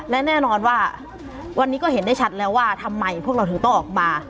และแน่นอนว่าวันนี้ก็เห็นได้ชัดแล้วว่าทำไมพวกเราถึงต้องออกมา